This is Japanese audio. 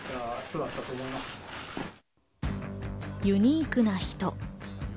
ユニークな人。